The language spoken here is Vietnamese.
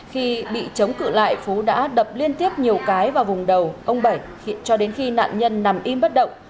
khi bị chống cự lại phú đã đập liên tiếp nhiều cái vào vùng đầu ông bảy cho đến khi nạn nhân nằm im bất động